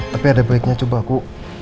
tapi ada baiknya coba ku